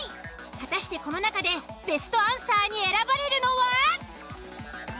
果たしてこの中でベストアンサーに選ばれるのは？